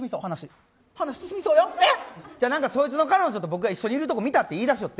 そいつの彼女と僕が一緒にいるところ見たって言い出しよって。